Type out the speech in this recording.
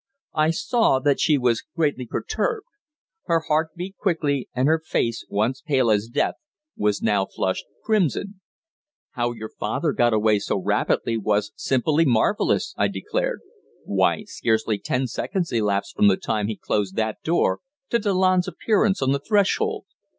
I saw that she was greatly perturbed. Her heart beat quickly, and her face, once pale as death, was now flushed crimson. "How your father got away so rapidly was simply marvellous!" I declared. "Why, scarcely ten seconds elapsed from the time he closed that door to Delanne's appearance on the threshold."